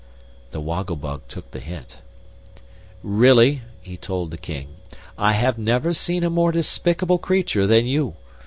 The Woggle Bug took the hint. "Really," he told the King. "I have never seen a more despicable creature than you.